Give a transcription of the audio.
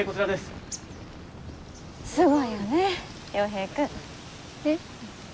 すごいよね洋平くん。えっ？